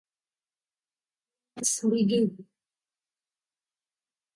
Cardington then became a storage station.